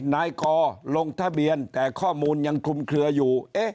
นายกอลงทะเบียนแต่ข้อมูลยังคลุมเคลืออยู่